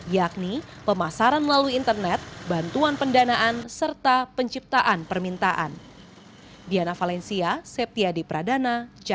yakni pemasaran melalui internet bantuan pendanaan serta penciptaan permintaan